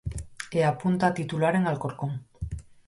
E apunta a titular en Alcorcón.